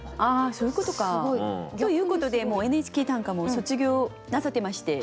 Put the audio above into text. そういうことか。ということでもう「ＮＨＫ短歌」も卒業なさってまして。